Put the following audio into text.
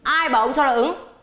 ai bảo ông cho nó ứng